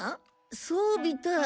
そうみたい。